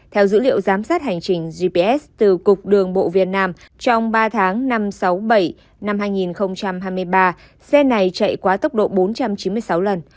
theo dữ liệu giám sát hành trình gps từ cục đường bộ việt nam trong ba tháng năm sáu mươi bảy năm hai nghìn hai mươi ba xe này chạy quá tốc độ bốn trăm chín mươi sáu lần